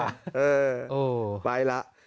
เอ้ยไปล่ะ